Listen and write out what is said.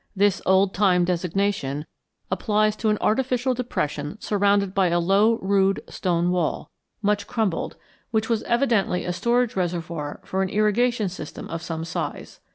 This old time designation applies to an artificial depression surrounded by a low rude stone wall, much crumbled, which was evidently a storage reservoir for an irrigation system of some size.